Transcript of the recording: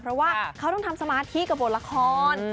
เพราะว่าเขาต้องทำสมาธิกับบทละคร